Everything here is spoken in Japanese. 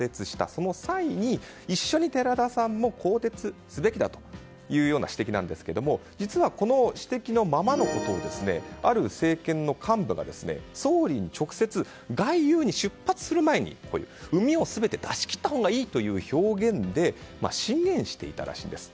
その際に、一緒に寺田さんも更迭すべきだという指摘なんですが実はこの指摘のままのことをある政権の幹部が総理に直接外遊に出発する前にうみを全て出し切ったほうがいいという表現で進言していたらしいです。